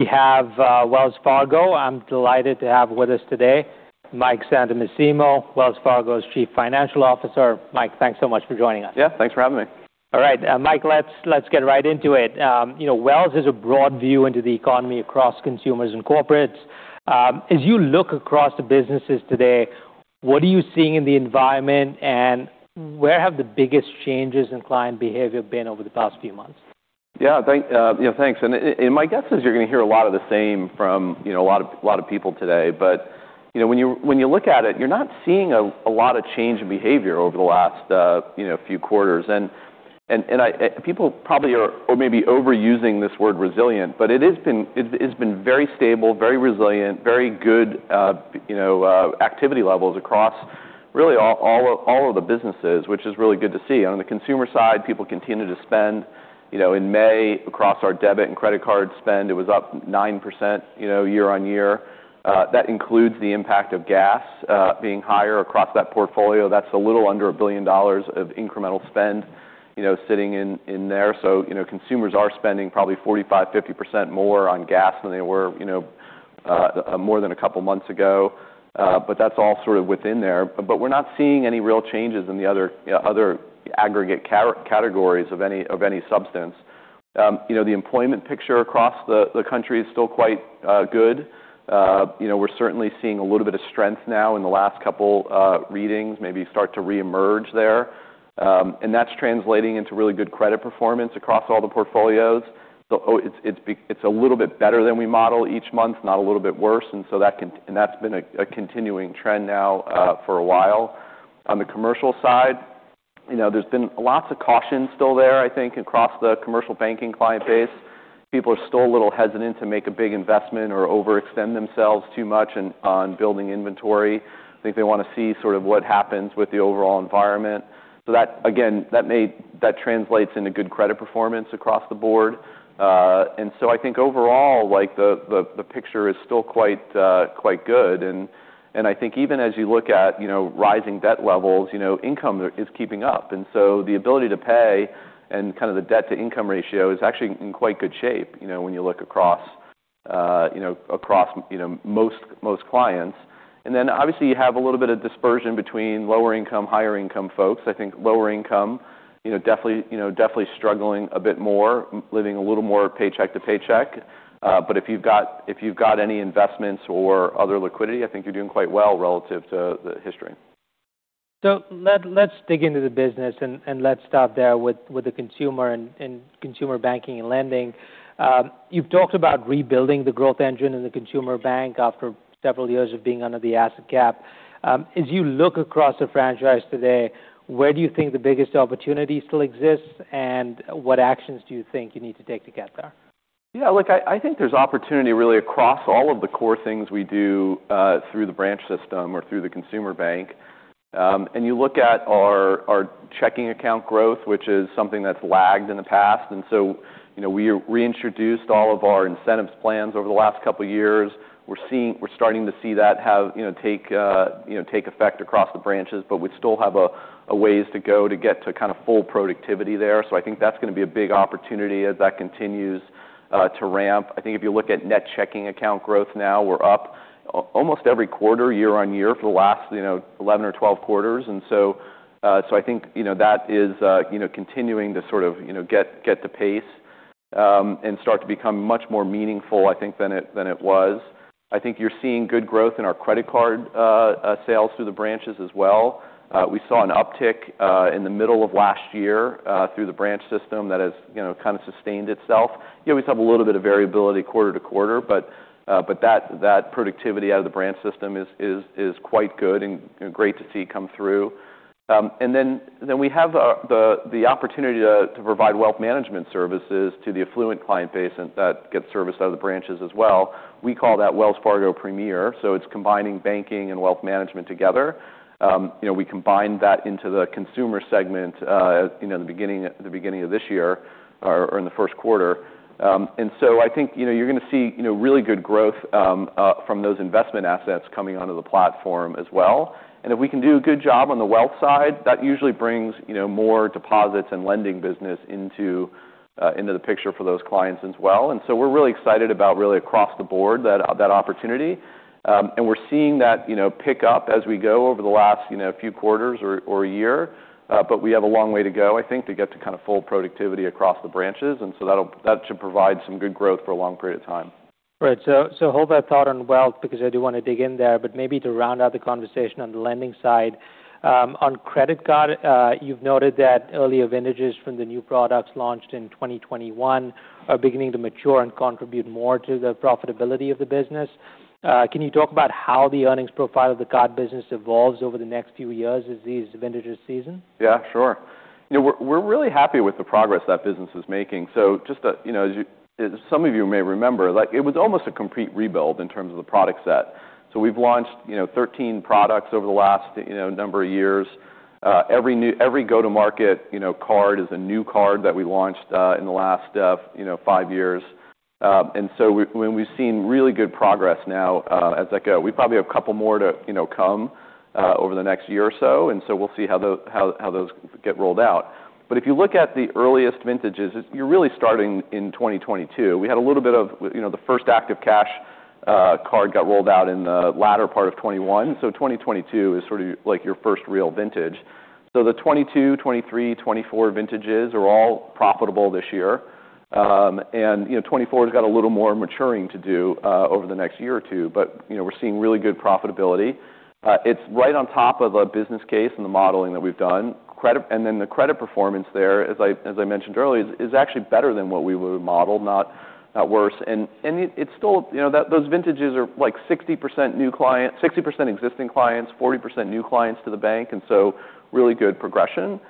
We have Wells Fargo. I'm delighted to have with us today Mike Santomassimo, Wells Fargo's Chief Financial Officer. Mike, thanks so much for joining us. Yeah, thanks for having me. All right. Mike, let's get right into it. Wells has a broad view into the economy across consumers and corporates. As you look across the businesses today, what are you seeing in the environment, and where have the biggest changes in client behavior been over the past few months? Yeah. Thanks. My guess is you're going to hear a lot of the same from a lot of people today. When you look at it, you're not seeing a lot of change in behavior over the last few quarters. People probably are maybe overusing this word resilient, but it's been very stable, very resilient, very good activity levels across really all of the businesses, which is really good to see. On the consumer side, people continue to spend. In May, across our debit and credit card spend, it was up 9% year-on-year. That includes the impact of gas being higher across that portfolio. That's a little under $1 billion of incremental spend sitting in there. Consumers are spending probably 45%-50% more on gas than they were more than a couple of months ago. That's all sort of within there. We're not seeing any real changes in the other aggregate categories of any substance. The employment picture across the country is still quite good. We're certainly seeing a little bit of strength now in the last couple readings, maybe start to reemerge there. That's translating into really good credit performance across all the portfolios. It's a little bit better than we model each month, not a little bit worse, and that's been a continuing trend now for a while. On the commercial side, there's been lots of caution still there, I think, across the commercial banking client base. People are still a little hesitant to make a big investment or overextend themselves too much on building inventory. I think they want to see sort of what happens with the overall environment. That, again, that translates into good credit performance across the board. I think overall, the picture is still quite good. I think even as you look at rising debt levels, income is keeping up. The ability to pay and kind of the debt-to-income ratio is actually in quite good shape when you look across most clients. Obviously, you have a little bit of dispersion between lower income, higher income folks. I think lower income definitely struggling a bit more, living a little more paycheck to paycheck. If you've got any investments or other liquidity, I think you're doing quite well relative to the history. Let's dig into the business, and let's start there with the consumer and consumer banking and lending. You've talked about rebuilding the growth engine in the consumer bank after several years of being under the asset cap. As you look across the franchise today, where do you think the biggest opportunity still exists, and what actions do you think you need to take to get there? I think there's opportunity really across all of the core things we do through the branch system or through the consumer bank. You look at our checking account growth, which is something that's lagged in the past. We reintroduced all of our incentives plans over the last couple of years. We're starting to see that take effect across the branches, but we still have a ways to go to get to kind of full productivity there. I think that's going to be a big opportunity as that continues to ramp. I think if you look at net checking account growth now, we're up almost every quarter year-on-year for the last 11 or 12 quarters. I think that is continuing to sort of get to pace and start to become much more meaningful, I think, than it was. I think you're seeing good growth in our credit card sales through the branches as well. We saw an uptick in the middle of last year through the branch system that has kind of sustained itself. We always have a little bit of variability quarter to quarter, but that productivity out of the branch system is quite good and great to see come through. Then we have the opportunity to provide wealth management services to the affluent client base that gets serviced out of the branches as well. We call that Wells Fargo Premier. It's combining banking and wealth management together. We combined that into the consumer segment at the beginning of this year or in the first quarter. I think you're going to see really good growth from those investment assets coming onto the platform as well. If we can do a good job on the wealth side, that usually brings more deposits and lending business into the picture for those clients as well. We're really excited about really across the board that opportunity. We're seeing that pick up as we go over the last few quarters or a year. We have a long way to go, I think, to get to kind of full productivity across the branches. That should provide some good growth for a long period of time. Right. Hold that thought on wealth because I do want to dig in there, maybe to round out the conversation on the lending side. On credit card, you've noted that earlier vintages from the new products launched in 2021 are beginning to mature and contribute more to the profitability of the business. Can you talk about how the earnings profile of the card business evolves over the next few years as these vintages season? Yeah, sure. We're really happy with the progress that business is making. Just as some of you may remember, it was almost a complete rebuild in terms of the product set. We've launched 13 products over the last number of years. Every go-to-market card is a new card that we launched in the last five years. When we've seen really good progress now as they go. We probably have a couple more to come over the next year or so, we'll see how those get rolled out. If you look at the earliest vintages, you're really starting in 2022. We had a little bit of the first Active Cash Card got rolled out in the latter part of 2021. 2022 is sort of your first real vintage. The 2022, 2023, 2024 vintages are all profitable this year. 2024 has got a little more maturing to do over the next year or two, but we're seeing really good profitability. It's right on top of a business case and the modeling that we've done. The credit performance there, as I mentioned earlier, is actually better than what we would've modeled, not worse. Those vintages are like 60% existing clients, 40% new clients to the bank. Really good progression.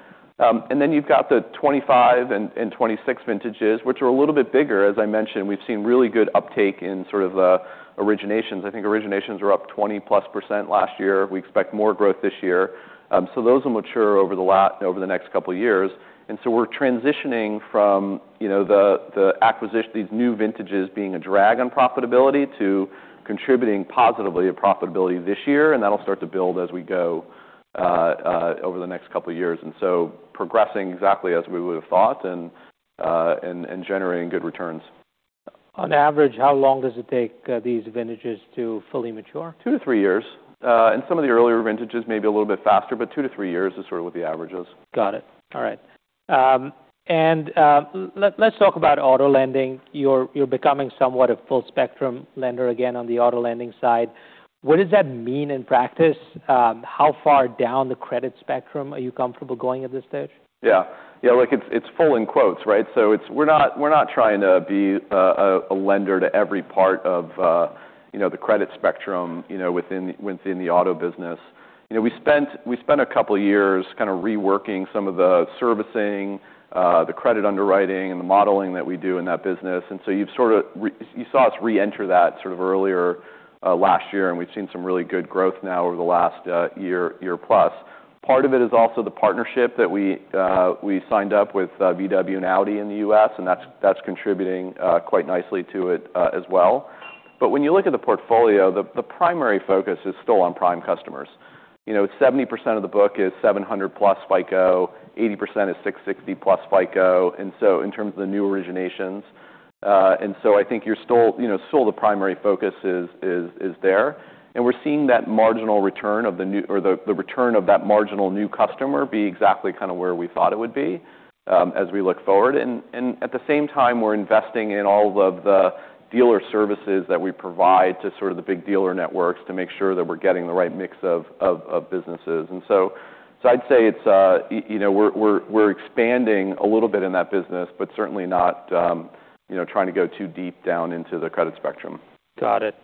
You've got the 2025 and 2026 vintages, which are a little bit bigger. As I mentioned, we've seen really good uptake in sort of the originations. I think originations were up 20%+ last year. We expect more growth this year. Those will mature over the next couple of years. We're transitioning from these new vintages being a drag on profitability to contributing positively to profitability this year. That'll start to build as we go over the next couple of years. Progressing exactly as we would've thought and generating good returns. On average, how long does it take these vintages to fully mature? Two to three years. Some of the earlier vintages may be a little bit faster, but two to three years is sort of what the average is. Got it. All right. Let's talk about auto lending. You're becoming somewhat a full-spectrum lender again on the auto lending side. What does that mean in practice? How far down the credit spectrum are you comfortable going at this stage? Yeah. Look, it's full in quotes, right? We're not trying to be a lender to every part of the credit spectrum within the auto business. We spent a couple of years kind of reworking some of the servicing, the credit underwriting, and the modeling that we do in that business. You saw us reenter that sort of earlier last year, and we've seen some really good growth now over the last year-plus. Part of it is also the partnership that we signed up with Volkswagen and Audi in the U.S., and that's contributing quite nicely to it as well. When you look at the portfolio, the primary focus is still on prime customers. 70% of the book is 700-plus FICO, 80% is 660-plus FICO, in terms of the new originations. I think still the primary focus is there. We're seeing the return of that marginal new customer be exactly kind of where we thought it would be as we look forward. At the same time, we're investing in all of the dealer services that we provide to sort of the big dealer networks to make sure that we're getting the right mix of businesses. I'd say we're expanding a little bit in that business, but certainly not trying to go too deep down into the credit spectrum. Got it.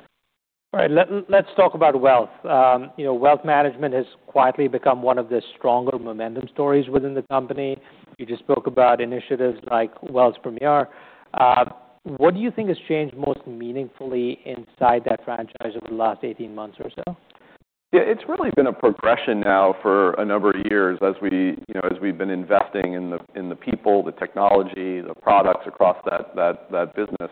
All right. Let's talk about wealth. Wealth management has quietly become one of the stronger momentum stories within the company. You just spoke about initiatives like Wells Premier. What do you think has changed most meaningfully inside that franchise over the last 18 months or so? Yeah. It's really been a progression now for a number of years as we've been investing in the people, the technology, the products across that business.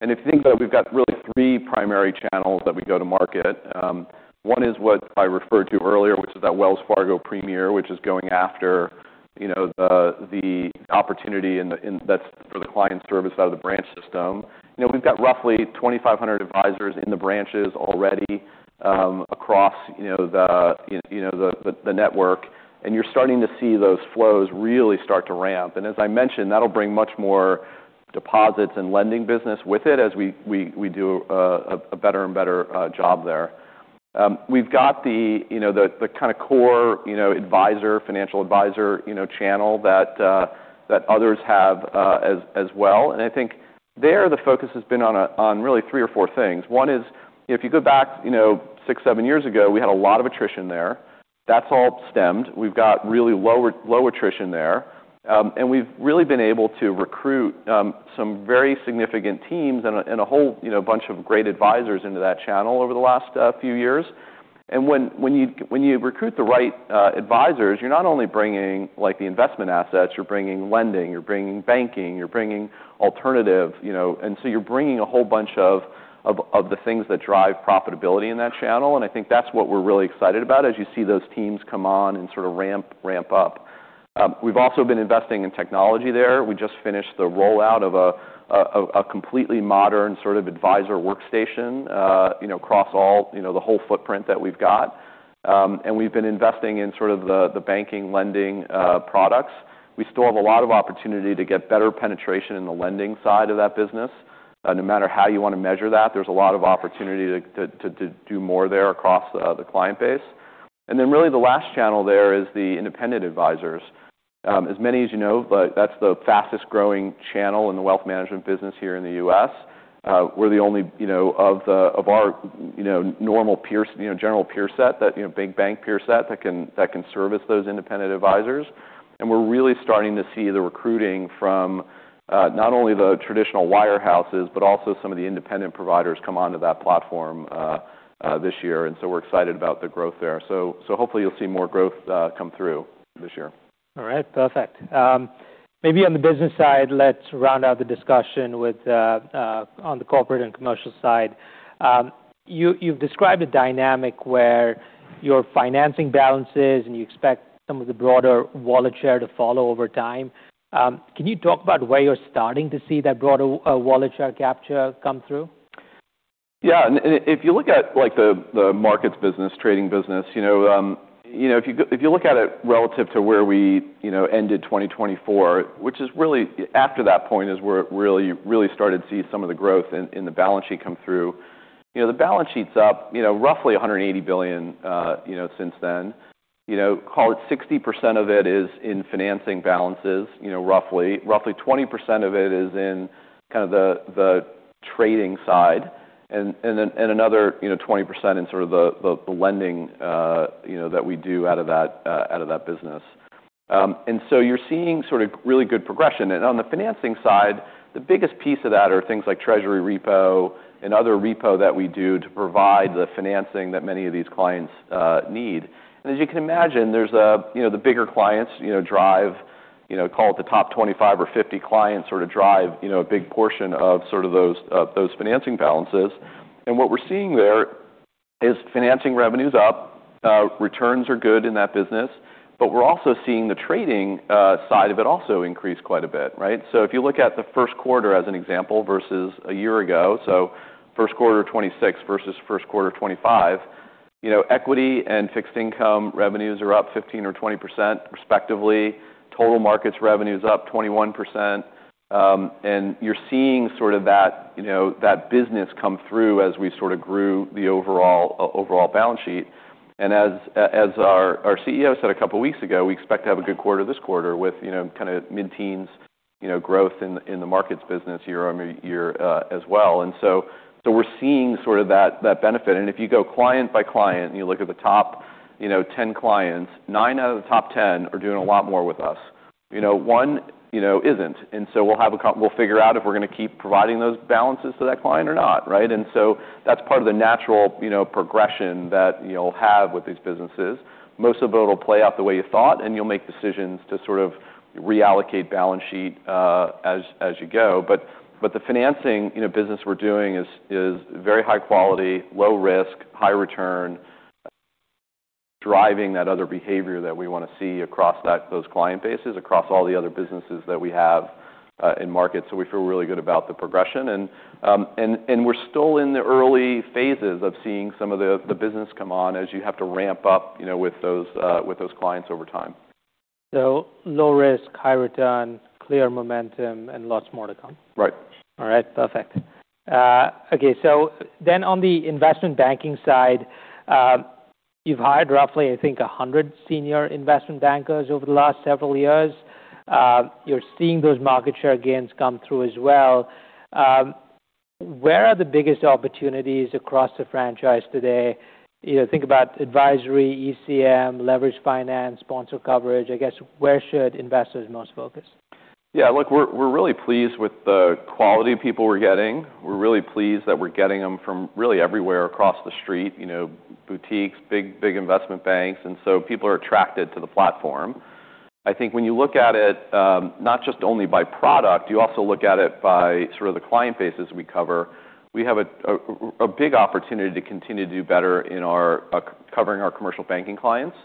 If you think about it, we've got really three primary channels that we go to market. One is what I referred to earlier, which is that Wells Fargo Premier, which is going after the opportunity, and that's for the client service out of the branch system. We've got roughly 2,500 advisors in the branches already across the network, and you're starting to see those flows really start to ramp. As I mentioned, that'll bring much more deposits and lending business with it as we do a better and better job there. We've got the kind of core financial advisor channel that others have as well. I think there, the focus has been on really three or four things. One is, if you go back six, seven years ago, we had a lot of attrition there. That's all stemmed. We've got really low attrition there. We've really been able to recruit some very significant teams and a whole bunch of great advisors into that channel over the last few years. When you recruit the right advisors, you're not only bringing the investment assets, you're bringing lending, you're bringing banking, you're bringing alternative. So you're bringing a whole bunch of the things that drive profitability in that channel, and I think that's what we're really excited about as you see those teams come on and sort of ramp up. We've also been investing in technology there. We just finished the rollout of a completely modern sort of advisor workstation across the whole footprint that we've got. We've been investing in sort of the banking lending products. We still have a lot of opportunity to get better penetration in the lending side of that business. No matter how you want to measure that, there's a lot of opportunity to do more there across the client base. Then really the last channel there is the independent advisors. As many as you know, that's the fastest-growing channel in the wealth management business here in the U.S. We're the only of our normal general peer set, that big bank peer set that can service those independent advisors. We're really starting to see the recruiting from not only the traditional wire houses, but also some of the independent providers come onto that platform this year. So we're excited about the growth there. Hopefully you'll see more growth come through this year. All right. Perfect. Maybe on the business side, let's round out the discussion on the corporate and commercial side. You've described a dynamic where your financing balances, and you expect some of the broader wallet share to follow over time. Can you talk about where you're starting to see that broader wallet share capture come through? Yeah. If you look at the markets business, trading business, if you look at it relative to where we ended 2024, which is really after that point is where it really started to see some of the growth in the balance sheet come through. The balance sheet's up roughly $180 billion since then. Call it 60% of it is in financing balances roughly. Roughly 20% of it is in the trading side, and another 20% in the lending that we do out of that business. You're seeing really good progression. On the financing side, the biggest piece of that are things like Treasury repo and other repo that we do to provide the financing that many of these clients need. As you can imagine, the bigger clients drive, call it the top 25 or 50 clients drive a big portion of those financing balances. What we're seeing there is financing revenues up, returns are good in that business. We're also seeing the trading side of it also increase quite a bit, right? If you look at the first quarter as an example versus a year ago, first quarter 2026 versus first quarter 2025, equity and fixed income revenues are up 15% or 20% respectively. Total markets revenue's up 21%. You're seeing that business come through as we grew the overall balance sheet. As our CEO said a couple of weeks ago, we expect to have a good quarter this quarter with mid-teens growth in the markets business year-on-year as well. We're seeing that benefit. If you go client by client, you look at the top 10 clients, nine out of the top 10 are doing a lot more with us. One isn't. We'll figure out if we're going to keep providing those balances to that client or not, right? That's part of the natural progression that you'll have with these businesses. Most of it'll play out the way you thought, and you'll make decisions to reallocate balance sheet as you go. The financing business we're doing is very high quality, low risk, high return, driving that other behavior that we want to see across those client bases, across all the other businesses that we have in market. We feel really good about the progression. We're still in the early phases of seeing some of the business come on as you have to ramp up with those clients over time. Low risk, high return, clear momentum, and lots more to come. Right. All right. Perfect. Okay, on the investment banking side, you've hired roughly, I think, 100 senior investment bankers over the last several years. You're seeing those market share gains come through as well. Where are the biggest opportunities across the franchise today? Think about advisory, ECM, leveraged finance, sponsor coverage. I guess where should investors most focus? Yeah, look, we're really pleased with the quality of people we're getting. We're really pleased that we're getting them from really everywhere across the street, boutiques, big investment banks, people are attracted to the platform. I think when you look at it, not just only by product, you also look at it by the client bases we cover. We have a big opportunity to continue to do better in covering our commercial banking clients.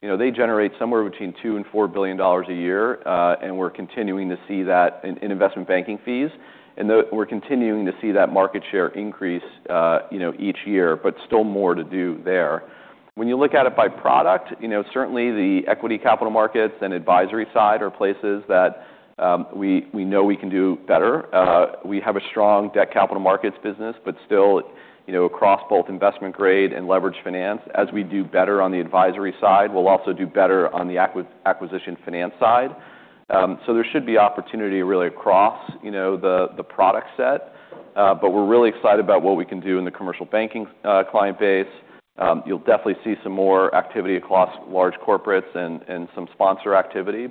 They generate somewhere between $2 billion and $4 billion a year, and we're continuing to see that in investment banking fees, and we're continuing to see that market share increase, each year, but still more to do there. When you look at it by product, certainly the equity capital markets and advisory side are places that we know we can do better. We have a strong debt capital markets business, still, across both investment grade and leveraged finance, as we do better on the advisory side, we'll also do better on the acquisition finance side. There should be opportunity really across the product set. We're really excited about what we can do in the commercial banking client base. You'll definitely see some more activity across large corporates and some sponsor activity.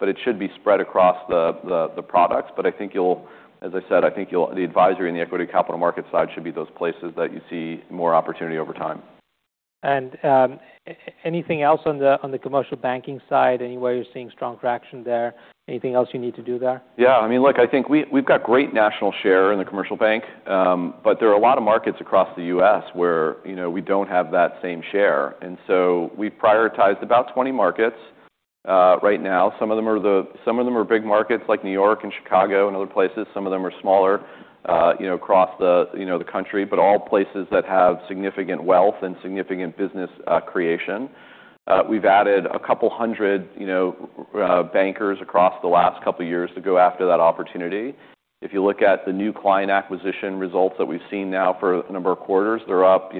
It should be spread across the products. As I said, I think the advisory and the equity capital market side should be those places that you see more opportunity over time. Anything else on the commercial banking side? Anywhere you're seeing strong traction there? Anything else you need to do there? Look, I think we've got great national share in the commercial bank. There are a lot of markets across the U.S. where we don't have that same share. We've prioritized about 20 markets right now. Some of them are big markets like New York and Chicago and other places. Some of them are smaller across the country, but all places that have significant wealth and significant business creation. We've added a couple hundred bankers across the last couple of years to go after that opportunity. If you look at the new client acquisition results that we've seen now for a number of quarters, they're up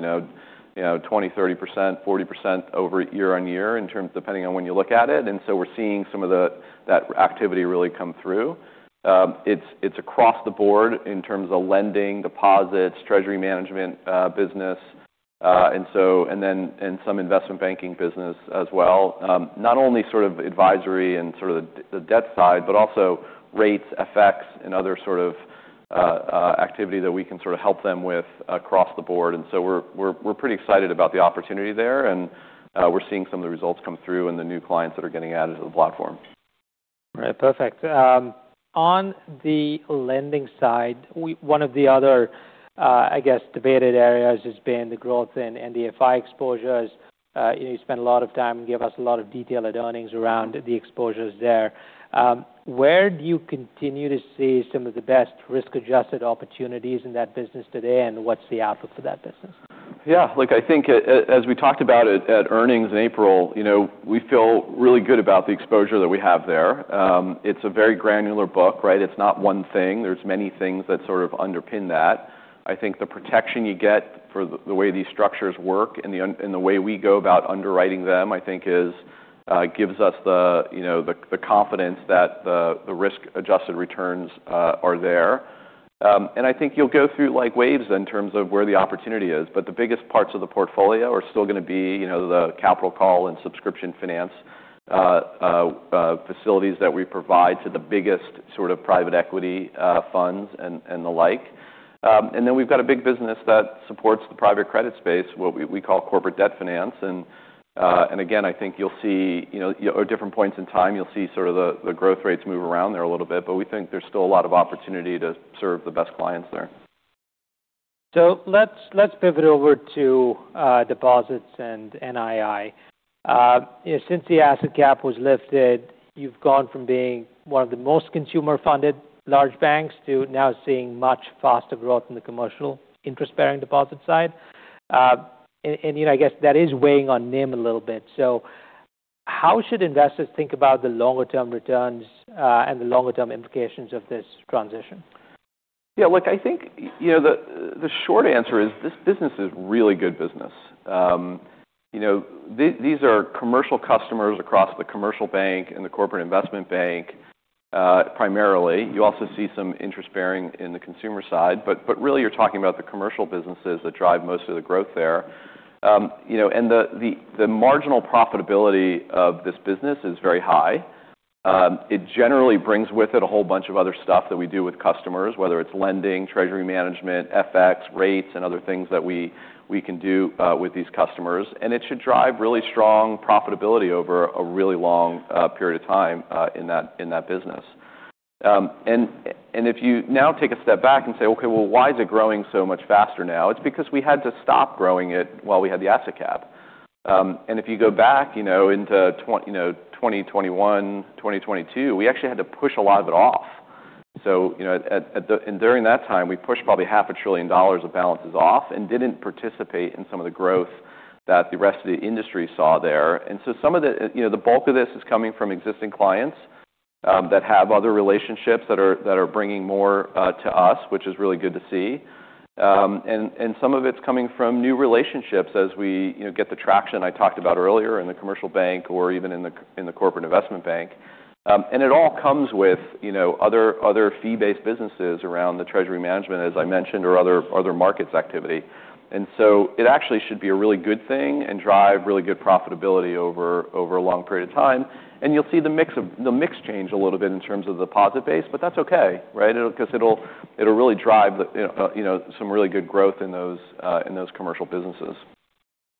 20%, 30%, 40% over year-on-year in terms depending on when you look at it, we're seeing some of that activity really come through. It's across the board in terms of lending, deposits, treasury management business, and some investment banking business as well. Not only sort of advisory and sort of the debt side, but also rates, FX, and other sort of activity that we can sort of help them with across the board. We're pretty excited about the opportunity there, and we're seeing some of the results come through and the new clients that are getting added to the platform. Right. Perfect. On the lending side, one of the other debated areas has been the growth in MDI exposures. You spent a lot of time and gave us a lot of detail at earnings around the exposures there. Where do you continue to see some of the best risk-adjusted opportunities in that business today, and what's the outlook for that business? Look, I think as we talked about at earnings in April, we feel really good about the exposure that we have there. It's a very granular book, right? It's not one thing. There's many things that sort of underpin that. I think the protection you get for the way these structures work and the way we go about underwriting them, I think, gives us the confidence that the risk-adjusted returns are there. I think you'll go through waves in terms of where the opportunity is, but the biggest parts of the portfolio are still going to be the capital call and subscription finance facilities that we provide to the biggest sort of private equity funds and the like. We've got a big business that supports the private credit space, what we call corporate debt finance. Again, I think you'll see at different points in time, you'll see sort of the growth rates move around there a little bit, but we think there's still a lot of opportunity to serve the best clients there. Let's pivot over to deposits and NII. Since the asset cap was lifted, you've gone from being one of the most consumer-funded large banks to now seeing much faster growth in the commercial interest-bearing deposit side. I guess that is weighing on NIM a little bit. How should investors think about the longer-term returns, and the longer-term implications of this transition? Yeah, look, I think the short answer is this business is really good business. These are commercial customers across the commercial bank and the corporate investment bank, primarily. You also see some interest bearing in the consumer side, but really you're talking about the commercial businesses that drive most of the growth there. The marginal profitability of this business is very high. It generally brings with it a whole bunch of other stuff that we do with customers, whether it's lending, treasury management, FX, rates, and other things that we can do with these customers. It should drive really strong profitability over a really long period of time in that business. If you now take a step back and say, Okay, well, why is it growing so much faster now? It's because we had to stop growing it while we had the asset cap. If you go back into 2021, 2022, we actually had to push a lot of it off. During that time, we pushed probably half a trillion dollars of balances off and didn't participate in some of the growth that the rest of the industry saw there. Some of the bulk of this is coming from existing clients that have other relationships that are bringing more to us, which is really good to see. Some of it's coming from new relationships as we get the traction I talked about earlier in the commercial bank or even in the corporate investment bank. It all comes with other fee-based businesses around the treasury management, as I mentioned, or other markets activity. It actually should be a really good thing and drive really good profitability over a long period of time. You'll see the mix change a little bit in terms of the deposit base, but that's okay, right? It'll really drive some really good growth in those commercial businesses.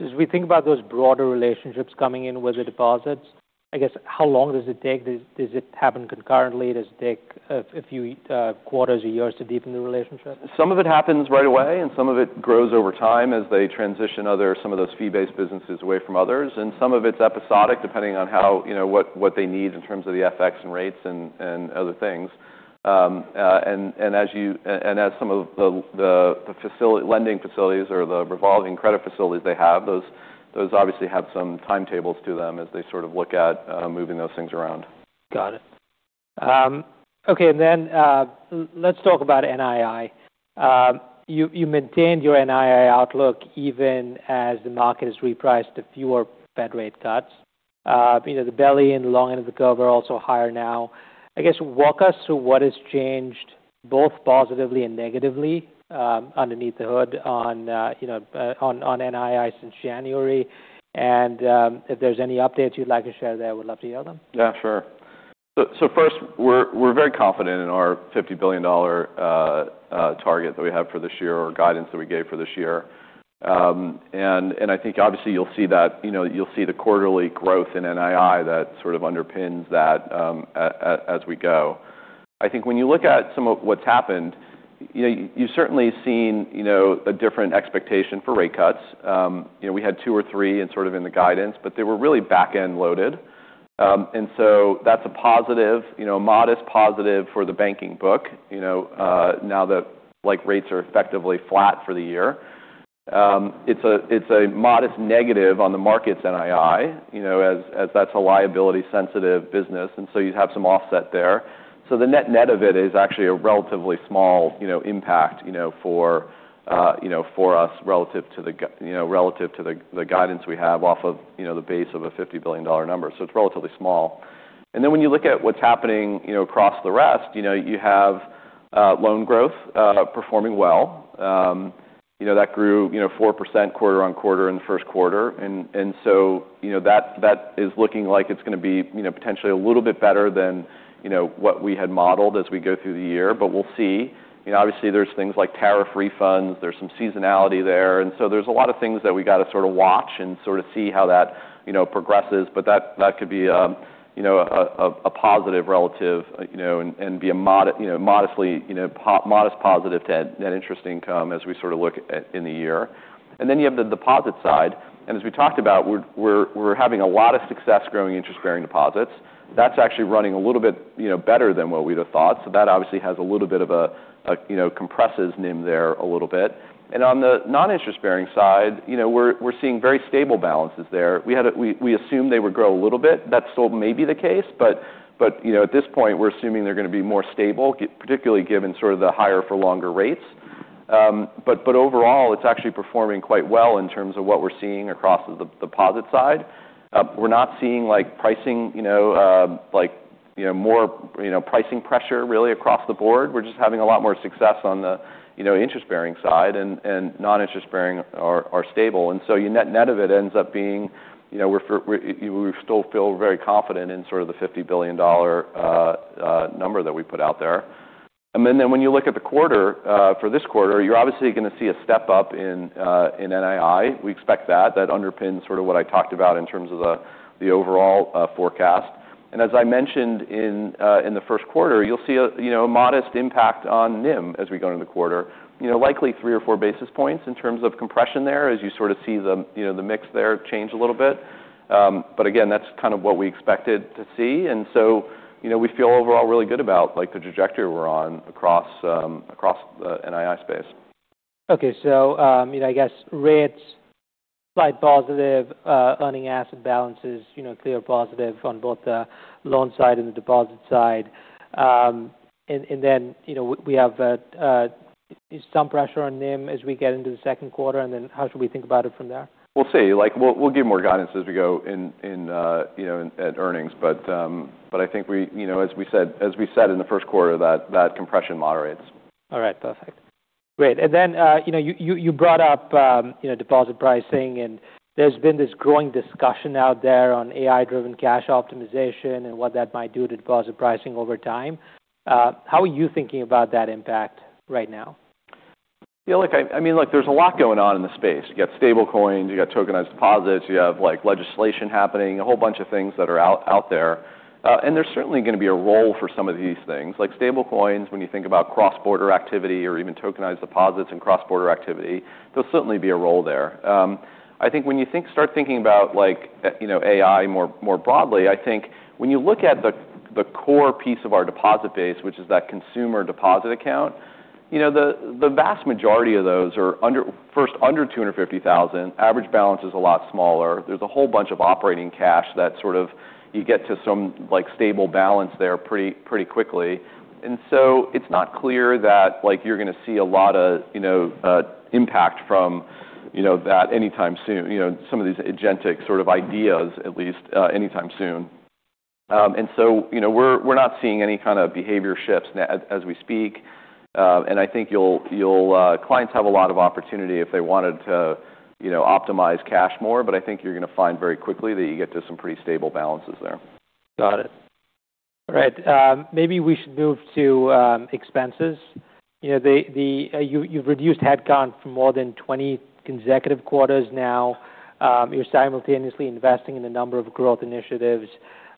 As we think about those broader relationships coming in with the deposits, I guess, how long does it take? Does it happen concurrently? Does it take a few quarters or years to deepen the relationship? Some of it happens right away, and some of it grows over time as they transition some of those fee-based businesses away from others. Some of it's episodic, depending on what they need in terms of the FX and rates and other things. As some of the lending facilities or the revolving credit facilities they have, those obviously have some timetables to them as they sort of look at moving those things around. Got it. Okay. Then let's talk about NII. You maintained your NII outlook even as the market has repriced to fewer Fed rate cuts. The belly and long end of the curve are also higher now. I guess walk us through what has changed both positively and negatively underneath the hood on NII since January. If there's any updates you'd like to share there, would love to hear them. Yeah, sure. First, we're very confident in our $50 billion target that we have for this year, or guidance that we gave for this year. I think obviously you'll see the quarterly growth in NII that sort of underpins that as we go. I think when you look at some of what's happened, you've certainly seen a different expectation for rate cuts. We had two or three sort of in the guidance, but they were really back-end loaded. That's a modest positive for the banking book now that rates are effectively flat for the year. It's a modest negative on the markets NII, as that's a liability-sensitive business, you have some offset there. The net of it is actually a relatively small impact for us relative to the guidance we have off of the base of a $50 billion number. It's relatively small. When you look at what's happening across the rest, you have loan growth performing well. That grew 4% quarter-on-quarter in the first quarter. That is looking like it's going to be potentially a little bit better than what we had modeled as we go through the year, but we'll see. Obviously, there's things like tariff refunds, there's some seasonality there's a lot of things that we got to sort of watch and sort of see how that progresses, but that could be a positive relative and be a modest positive to net interest income as we sort of look in the year. You have the deposit side, and as we talked about, we're having a lot of success growing interest-bearing deposits. That's actually running a little bit better than what we'd have thought. That obviously compresses NIM there a little bit. On the non-interest-bearing side, we're seeing very stable balances there. We assumed they would grow a little bit. That still may be the case, but at this point we're assuming they're going to be more stable, particularly given sort of the higher for longer rates. Overall, it's actually performing quite well in terms of what we're seeing across the deposit side. We're not seeing more pricing pressure really across the board. We're just having a lot more success on the interest-bearing side, and non-interest-bearing are stable. Your net of it ends up being we still feel very confident in sort of the $50 billion number that we put out there. When you look at the quarter, for this quarter, you're obviously going to see a step up in NII. We expect that. That underpins sort of what I talked about in terms of the overall forecast. As I mentioned in the first quarter, you'll see a modest impact on NIM as we go into the quarter. Likely three or four basis points in terms of compression there, as you sort of see the mix there change a little bit. Again, that's kind of what we expected to see. We feel overall really good about the trajectory we're on across the NII space. Okay. I guess rates, slight positive, earning asset balances clear positive on both the loan side and the deposit side. We have some pressure on NIM as we get into the second quarter, and then how should we think about it from there? We'll see. We'll give more guidance as we go at earnings. I think as we said in the first quarter, that compression moderates. All right, perfect. Great. You brought up deposit pricing, and there's been this growing discussion out there on AI-driven cash optimization and what that might do to deposit pricing over time. How are you thinking about that impact right now? I mean, there's a lot going on in the space. You've got stablecoins, you've got tokenized deposits, you have legislation happening, a whole bunch of things that are out there. There's certainly going to be a role for some of these things. Like stablecoins, when you think about cross-border activity or even tokenized deposits and cross-border activity, there'll certainly be a role there. I think when you start thinking about AI more broadly, I think when you look at the core piece of our deposit base, which is that consumer deposit account, the vast majority of those are first under $250,000. Average balance is a lot smaller. There's a whole bunch of operating cash that sort of you get to some stable balance there pretty quickly. It's not clear that you're going to see a lot of impact from that anytime soon, some of these agentic sort of ideas at least, anytime soon. We're not seeing any kind of behavior shifts as we speak. I think clients have a lot of opportunity if they wanted to optimize cash more. I think you're going to find very quickly that you get to some pretty stable balances there. Got it. All right. Maybe we should move to expenses. You've reduced head count for more than 20 consecutive quarters now. You're simultaneously investing in a number of growth initiatives.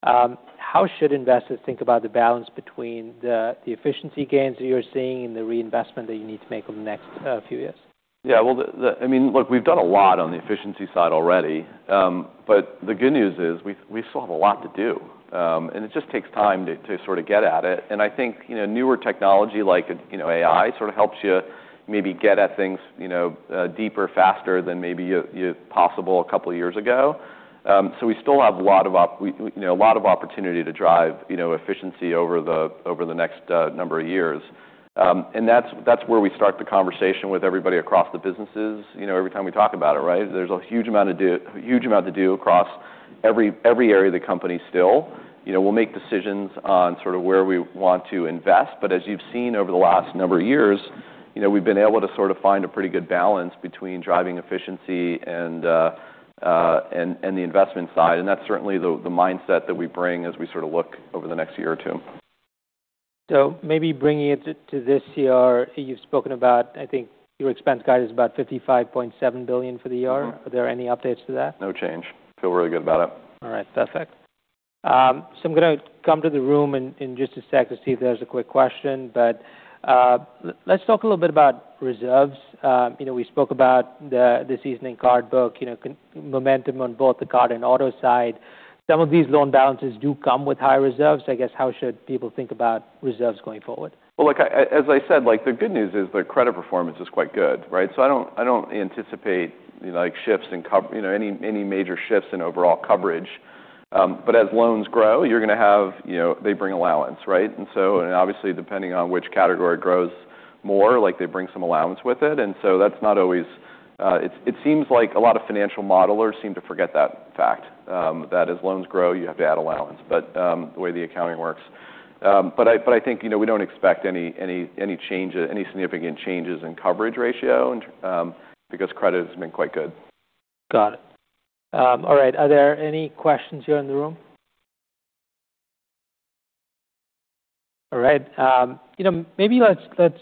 How should investors think about the balance between the efficiency gains that you're seeing and the reinvestment that you need to make over the next few years? Yeah. Well, look, we've done a lot on the efficiency side already. The good news is we still have a lot to do. It just takes time to sort of get at it. I think newer technology like AI sort of helps you maybe get at things deeper, faster than maybe possible a couple of years ago. We still have a lot of opportunity to drive efficiency over the next number of years. That's where we start the conversation with everybody across the businesses every time we talk about it, right? There's a huge amount to do across every area of the company still. We'll make decisions on sort of where we want to invest, as you've seen over the last number of years, we've been able to sort of find a pretty good balance between driving efficiency and the investment side, that's certainly the mindset that we bring as we sort of look over the next year or two. Maybe bringing it to this year, you've spoken about, I think your expense guide is about $55.7 billion for the year. Are there any updates to that? No change. Feel really good about it. All right, perfect. I'm going to come to the room in just a sec to see if there's a quick question. Let's talk a little bit about reserves. We spoke about the seasoning card book, momentum on both the card and auto side. Some of these loan balances do come with high reserves. I guess, how should people think about reserves going forward? Well, as I said, the good news is the credit performance is quite good, right? I don't anticipate any major shifts in overall coverage. As loans grow, they bring allowance, right? Obviously depending on which category grows more, they bring some allowance with it. It seems like a lot of financial modelers seem to forget that fact, that as loans grow, you have to add allowance, but the way the accounting works. I think we don't expect any significant changes in coverage ratio because credit has been quite good. Got it. All right. Are there any questions here in the room? All right. Maybe let's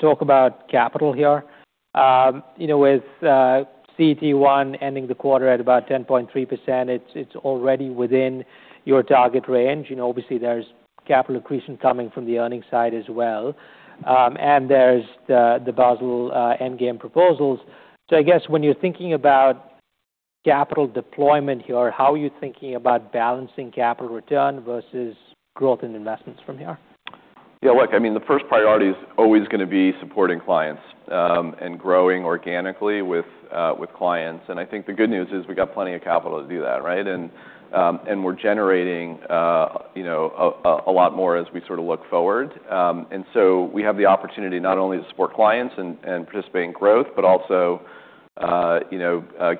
talk about capital here. With CET1 ending the quarter at about 10.3%, it's already within your target range. Obviously, there's capital accretion coming from the earnings side as well. There's the Basel endgame proposals. I guess when you're thinking about capital deployment here, how are you thinking about balancing capital return versus growth in investments from here? Yeah, look, I mean, the first priority is always going to be supporting clients and growing organically with clients. I think the good news is we've got plenty of capital to do that, right? We're generating a lot more as we sort of look forward. We have the opportunity not only to support clients and participate in growth, but also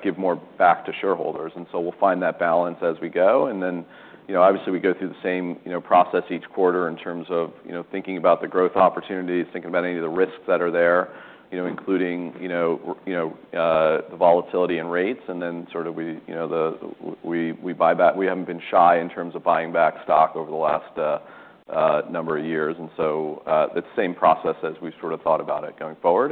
give more back to shareholders. We'll find that balance as we go. Obviously we go through the same process each quarter in terms of thinking about the growth opportunities, thinking about any of the risks that are there, including the volatility in rates, and then sort of we haven't been shy in terms of buying back stock over the last number of years. That same process as we sort of thought about it going forward.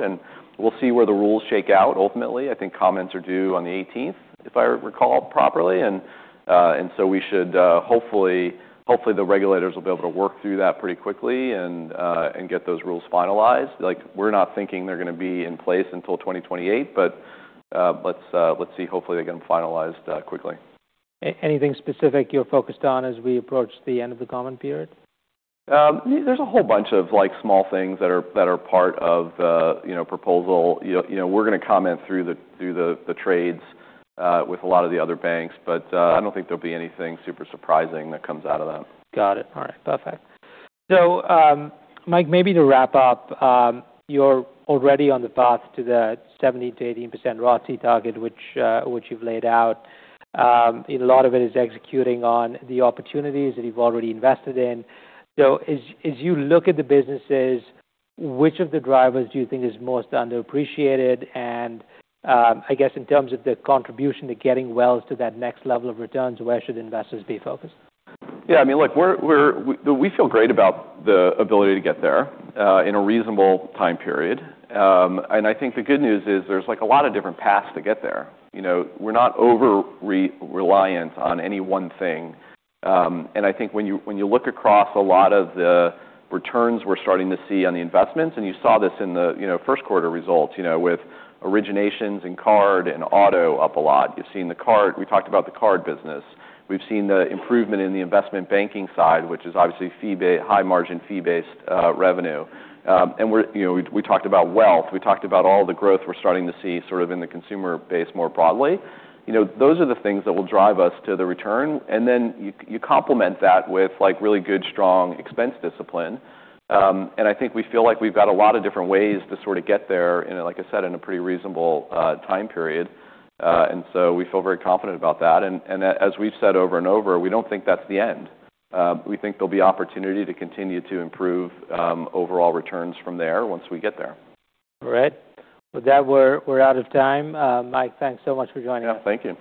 We'll see where the rules shake out ultimately. I think comments are due on the 18th, if I recall properly. We should hopefully the regulators will be able to work through that pretty quickly and get those rules finalized. We're not thinking they're going to be in place until 2028, let's see. Hopefully they get them finalized quickly. Anything specific you're focused on as we approach the end of the comment period? There's a whole bunch of small things that are part of the proposal. We're going to comment through the trades with a lot of the other banks, I don't think there'll be anything super surprising that comes out of that. Got it. All right. Perfect. Mike, maybe to wrap up, you're already on the path to that 17%-18% ROTCE target which you've laid out. A lot of it is executing on the opportunities that you've already invested in. As you look at the businesses, which of the drivers do you think is most underappreciated? I guess in terms of the contribution to getting Wells to that next level of returns, where should investors be focused? I mean, look, we feel great about the ability to get there in a reasonable time period. I think the good news is there's a lot of different paths to get there. We're not over-reliant on any one thing. I think when you look across a lot of the returns we're starting to see on the investments, you saw this in the first quarter results with originations and card and auto up a lot. You've seen the card. We talked about the card business. We've seen the improvement in the investment banking side, which is obviously high margin fee-based revenue. We talked about wealth. We talked about all the growth we're starting to see sort of in the consumer base more broadly. Those are the things that will drive us to the return. Then you complement that with really good, strong expense discipline. I think we feel like we've got a lot of different ways to sort of get there, like I said, in a pretty reasonable time period. So we feel very confident about that. As we've said over and over, we don't think that's the end. We think there'll be opportunity to continue to improve overall returns from there once we get there. All right. With that, we're out of time. Mike, thanks so much for joining us. Yeah, thank you.